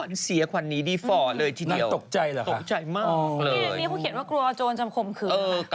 เอ้าเชียร์ขวัญนี้ก็ควรเลยทีเดียวหลายนางตกใจหรือคะ